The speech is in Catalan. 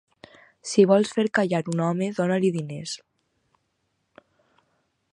Si vols fer callar un home, dona-li diners.